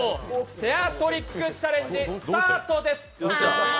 チェアトリックチャレンジスタートです。